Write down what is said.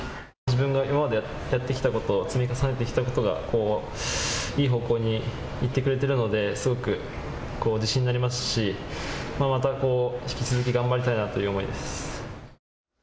自分が今までやってきたこと積み重ねてきたことがいい方向に行ってくれているのですごく自信になりますしまた引き続き頑張りたいなという思いです。